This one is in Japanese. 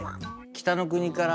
「北の国から」